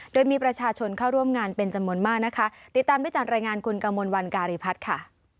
โดยมีประชาชนเข้าร่วมงานเป็นจำนวนมากนะคะติดตามได้จากรายงานคุณกมลวันการีพัฒน์ค่ะ